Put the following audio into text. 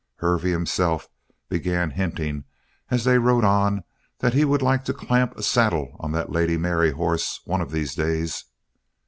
Hervey himself began hinting, as they rode on, that he would like "to clap a saddle on that Lady Mary hoss, one of these days."